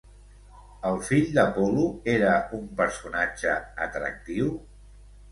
El fill d'Apol·lo era un personatge atractiu?